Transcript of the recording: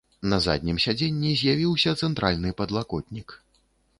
На заднім сядзенні з'явіўся цэнтральны падлакотнік.